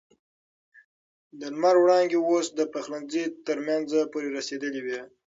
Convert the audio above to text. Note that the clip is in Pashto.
د لمر وړانګې اوس د پخلنځي تر منځه پورې رسېدلې وې.